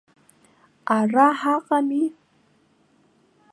Ара ҳаҟами.